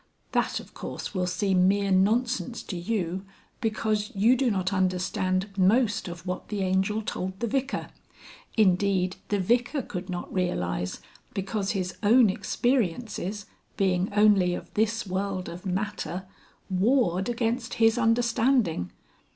That, of course, will seem mere nonsense to you because you do not understand Most of what the Angel told the Vicar, indeed the Vicar could not realise, because his own experiences, being only of this world of matter, warred against his understanding.